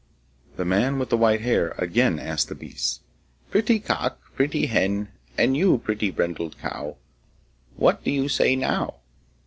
The man with the white hair again asked the beasts: Pretty cock, Pretty hen, And you, pretty brindled cow, What do you say now?